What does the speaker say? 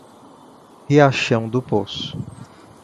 Riachão do Poço